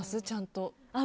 ちゃんと。